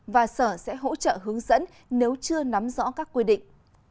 và sở sẽ hỗ trợ hướng dẫn nếu chưa nắm rõ các quy định